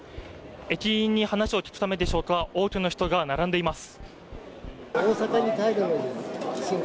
駅員に話を聞くためでしょうか多くの人が並んでいます